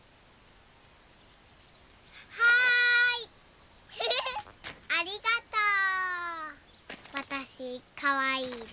はい！